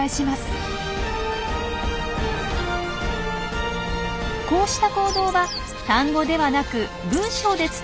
こうした行動は単語ではなく文章で伝えないとできません。